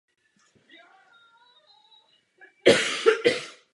Úspěšně prodávala v Německu a ve Francii.